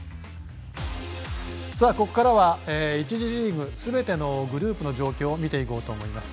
ここからは１次リーグすべてのグループの状況を見ていこうと思います。